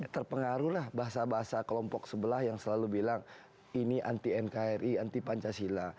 terpengaruhlah bahasa bahasa kelompok sebelah yang selalu bilang ini anti nkri anti pancasila